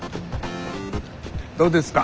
どうですか？